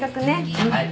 はい。